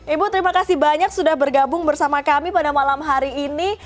ibu terima kasih banyak sudah bergabung bersama kami pada malam hari ini